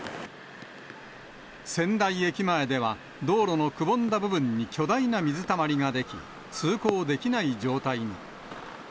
仙台駅前では、道路のくぼんだ部分に巨大な水たまりが出来、通行できない状態に。